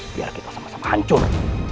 biar kita sama sama hancur